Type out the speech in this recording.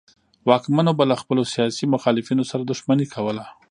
واکمنو به له خپلو سیاسي مخالفینو سره دښمني کوله.